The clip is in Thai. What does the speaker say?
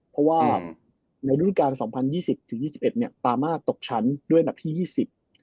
เพราะว่าในรุ่นการ๒๐๒๐ถึง๒๐๒๑ปามาภัมษ์ตกชั้นด้วยดับที่๒๐